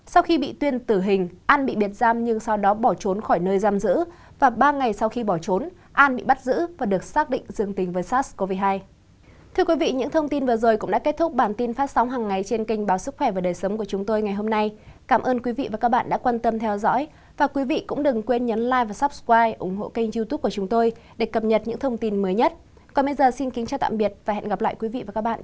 sau khi bị tuyên tử hình an bị biệt giam nhưng sau đó bỏ trốn khỏi nơi giam giữ và ba ngày sau khi bỏ trốn an bị bắt giữ và được xác định dương tình với sars cov hai